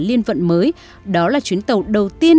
liên vận mới đó là chuyến tàu đầu tiên